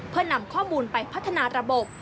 เพื่อนำข้อมูลไปพัฒนาระบบ